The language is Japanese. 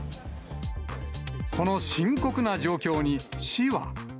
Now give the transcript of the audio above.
この深刻な状況に市は。